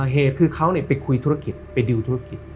เหตุคือเขาไปคุยธุรกิจไปดิวธุรกิจ